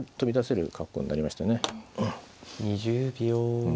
うん。